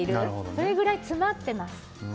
それぐらい詰まってます。